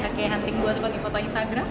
oke hunting buat bagi foto instagram